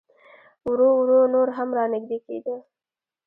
ورو ورو نور هم را نږدې کېده.